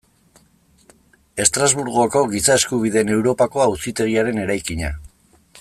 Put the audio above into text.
Estrasburgoko Giza Eskubideen Europako Auzitegiaren eraikina.